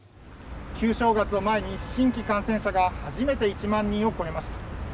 旧正月を前に新規感染者が初めて１万人を超えました。